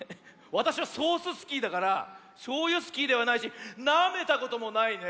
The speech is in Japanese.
わたしはソーススキーだからショウユスキーではないしなめたこともないね。